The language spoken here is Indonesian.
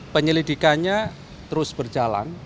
penyelidikannya terus berjalan